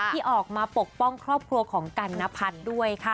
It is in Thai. ที่ออกมาปกป้องครอบครัวของกันนพัฒน์ด้วยค่ะ